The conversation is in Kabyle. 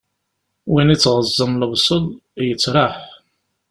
Win ittɣeẓẓen lebṣel, yettraḥ.